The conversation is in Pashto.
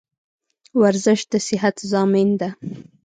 ورزش دصیحت زامین ده